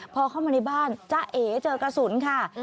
พอเข้ามาในบ้านจ้าเอ๋เจอกระสุนค่ะ